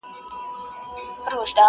د نغمو آمیل په غاړه راغلم یاره.